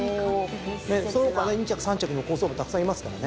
その他２着３着の好走馬たくさんいますからね。